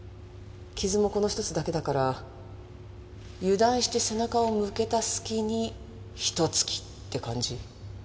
傷もこの１つだけだから油断して背中を向けた隙にひと突きって感じ。